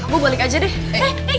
gua balik aja deh